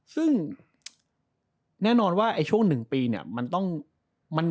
ซึ่งแน่นอนว่าช่วง๑ปีเนี่ย